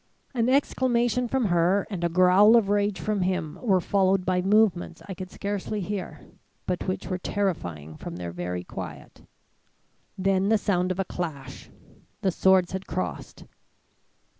"An exclamation from her and a growl of rage from him were followed by movements I could scarcely hear, but which were terrifying from their very quiet. Then the sound of a clash. The swords had crossed.